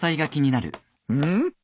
うん？